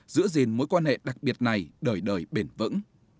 giữ gìn mối quan hệ đặc biệt này đời đời bền vững